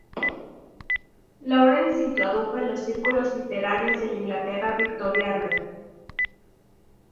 Laurence se introdujo en los círculos literarios de la Inglaterra victoriana.